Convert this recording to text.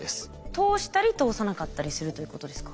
通したり通さなかったりするということですか？